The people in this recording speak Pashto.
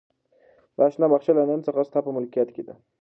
دا شنه باغچه له نن څخه ستا په ملکیت کې ده.